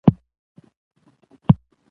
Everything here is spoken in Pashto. خان ، غاټول ، غروال ، غبرگون ، غازي ، غورځنگ